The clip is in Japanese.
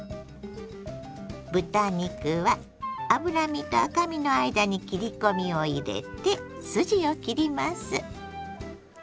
豚肉は脂身と赤身の間に切り込みを入れて筋を切ります。